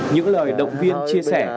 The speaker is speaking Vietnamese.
những lời động viên chia sẻ